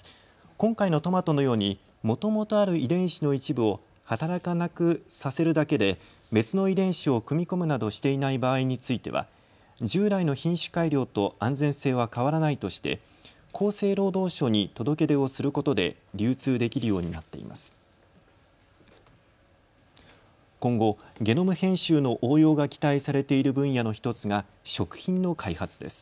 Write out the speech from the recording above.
今回のトマトのようにもともとある遺伝子の一部を働かなくさせるだけで別の遺伝子を組み込むなどしていない場合については従来の品種改良と安全性は変わらないとして厚生労働省に届け出をすることで流通できるようになっています。